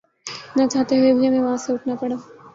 ناچاہتے ہوئے بھی ہمیں وہاں سے اٹھنا پڑا